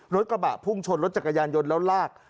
รถกระบะพุ่งชนรถจักรยานยนต์แล้วลาก